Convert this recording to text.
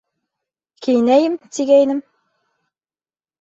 Кейенәйем, тигәйнем.